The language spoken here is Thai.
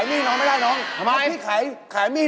เห้ยทำงี้ทุกที